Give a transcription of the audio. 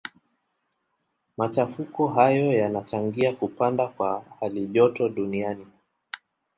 Machafuko hayo yanachangia kupanda kwa halijoto duniani.